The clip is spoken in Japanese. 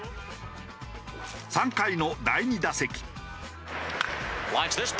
３回の第２打席。